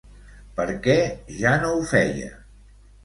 Per què ja no ho feia?